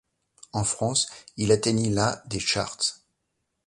En France il atteignit la des charts.